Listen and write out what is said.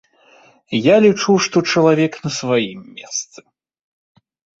Я лічу, што чалавек на сваім месцы.